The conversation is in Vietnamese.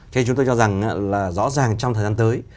thế chúng tôi cho rằng là rõ ràng trong thời gian tới